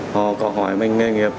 họ có hỏi mình nghề nghiệp